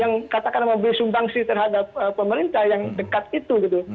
yang katakan memberi sumbangsi terhadap pemerintah yang dekat itu gitu